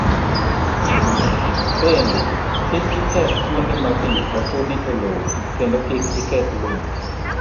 Bende, kik iketh kuonde ma pi osudi e lowo, kendo kik iketh lum.